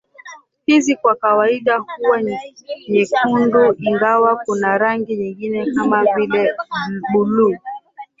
Hizi kwa kawaida huwa nyekundu ingawa kuna rangi nyingine kama vile bluu